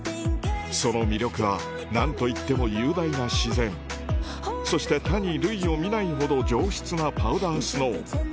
その魅力は何といっても雄大な自然そして他に類を見ないほど上質なパウダースノー